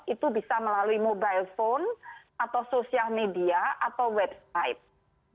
itu bisa melalui mobile phone atau sosial media atau website